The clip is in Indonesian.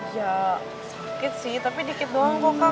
ya sakit sih tapi dikit doang kok kak